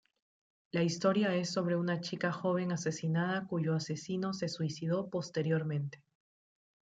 La historia es sobre una chica joven asesinada cuyo asesino se suicidó posteriormente.